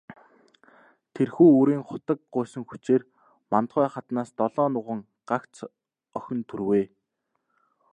Тэрхүү үрийн хутаг гуйсан хүчээр Мандухай хатнаас долоон нуган, гагц охин төрвэй.